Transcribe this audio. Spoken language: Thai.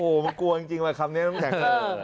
โอ้โหมันกลัวจริงว่าคำนี้น้ำแข็ง